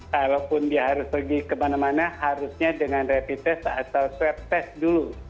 kalaupun dia harus pergi kemana mana harusnya dengan rapid test atau swab test dulu